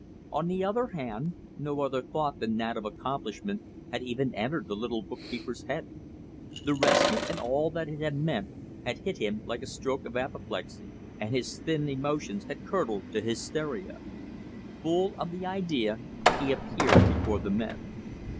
On the other hand, no other thought than that of accomplishment had even entered the little bookkeeper's head. The rescue and all that it had meant had hit him like a stroke of apoplexy, and his thin emotions had curdled to hysteria. Full of the idea he appeared before the men.